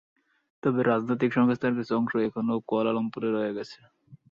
তবে, রাজনৈতিক সংস্থার কিছু অংশ এখনও কুয়ালালামপুরে রয়ে গেছে।